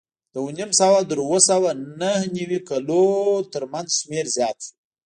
د اوه نیم سوه تر اوه سوه نهه نوې کلونو ترمنځ شمېر زیات شو